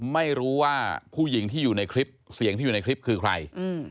ไม่รู้ว่าผู้หญิงที่อยู่ในคลิปเสียงที่อยู่ในคลิปคือใคร